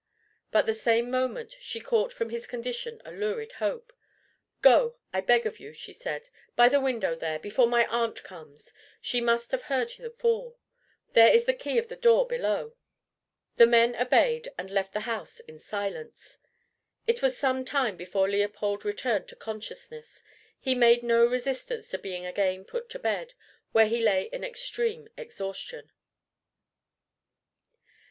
But the same moment she caught from his condition a lurid hope. "Go, I beg of you," she said "by the window there, before my aunt comes. She must have heard the fall. There is the key of the door below." The men obeyed, and left the house in silence. It was some time before Leopold returned to consciousness. He made no resistance to being again put to bed, where he lay in extreme exhaustion.